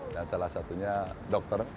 dan salah satunya dokter